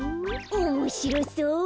おもしろそう！